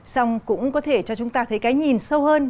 xong cũng có thể cho chúng ta thấy cái nhìn sâu hơn